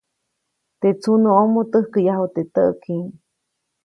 Teʼ tsunuʼomo täjkäyu teʼ täʼki.